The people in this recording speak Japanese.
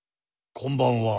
こんばんは。